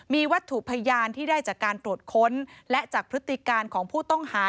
มีวัตถุพยานที่ได้จากการตรวจค้นและจากพฤติการของผู้ต้องหา